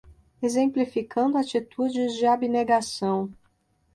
Exemplificando atitudes de abnegação